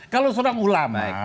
kalau seorang ulama